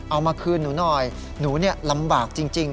เอามาคืนหนูหน่อยหนูลำบากจริง